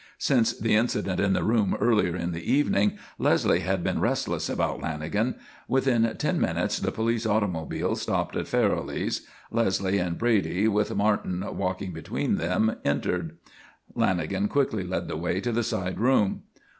Since the incident in the room earlier in the evening Leslie had been restless about Lanagan. Within ten minutes the police automobile stopped at Farrelly's. Leslie and Brady, with Martin walking between them, entered. Lanagan quickly led the way to the side room.